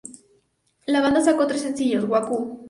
La banda sacó tres sencillos: “Waku!